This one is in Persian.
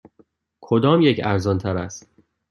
کدامیک ارزان تر است؟